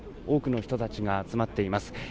多くの人たちが集まっています。